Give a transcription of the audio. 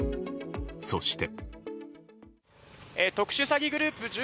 そして。